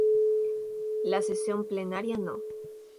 La sesión plenaria no.